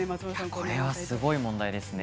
これはすごい問題ですね。